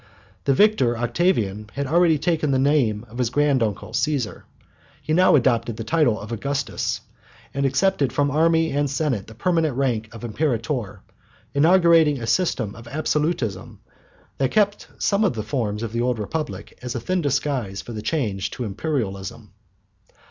The victor Octavian had already taken the name of his grand uncle, Cæsar. He now adopted the title of Augustus, and accepted from army and senate the permanent rank of Imperator, inaugurating a system of absolutism that kept some of the forms of the old Republic as a thin disguise for the change to Imperialism.